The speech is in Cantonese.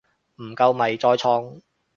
唔夠咪再創